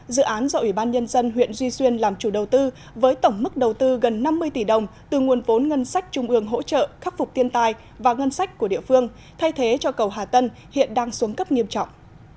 dự án do ủy ban nhân dân huyện duy xuyên làm chủ đầu tư với tổng mức đầu tư gần năm mươi tỷ đồng từ nguồn vốn ngân sách trung ương hỗ trợ khắc phục tiên tài và ngân sách của địa phương thay thế cho cầu hà tân hiện đang xuống cấp nghiêm trọng